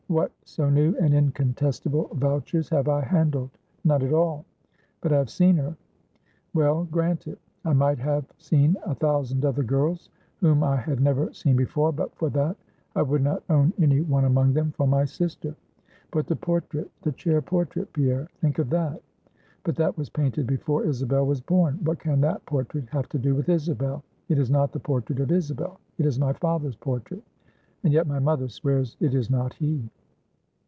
What so new and incontestable vouchers have I handled? None at all. But I have seen her. Well; grant it; I might have seen a thousand other girls, whom I had never seen before; but for that, I would not own any one among them for my sister. But the portrait, the chair portrait, Pierre? Think of that. But that was painted before Isabel was born; what can that portrait have to do with Isabel? It is not the portrait of Isabel, it is my father's portrait; and yet my mother swears it is not he.